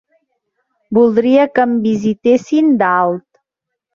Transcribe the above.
Voldria que em visitessin d'alt.